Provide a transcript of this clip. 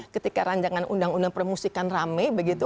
ketika rancangan undang undang permusikan rame begitu